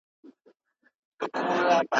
د مثبت عادتونو خپلول د بریا لپاره اړین دي.